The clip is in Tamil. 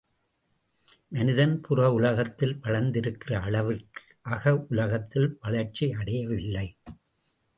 மனிதன் புற உலகத்தில் வளர்ந்திருக்கிற அளவிற்கு அகஉலகில் வளர்ச்சியடையவில்லை.